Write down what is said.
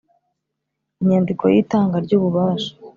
Inyandiko y itanga ry ububasha